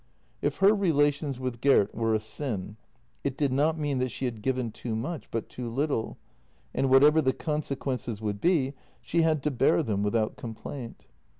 If her relations with Gert were a sin, it did not mean that she had given too much, but too little, and whatever the con sequences would be, she had to bear them without complaint.